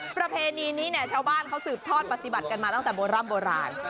ประเพณีนี้เนี่ยชาวบ้านเขาสืบทอดปฏิบัติกันมาตั้งแต่โบร่ำโบราณ